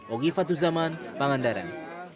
ogi fatuzaman pangandaran